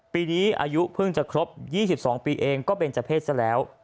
ปีนี้อายุเพิ่งจะครบ๒๒ปีเองก็เป็นเจ้าเพศซะแล้ว